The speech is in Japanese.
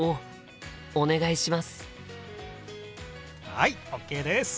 はいＯＫです！